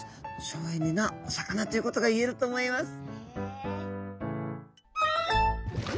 省エネなお魚ということがいえると思います。